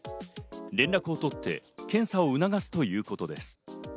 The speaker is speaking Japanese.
連絡を取って検査を促すということです。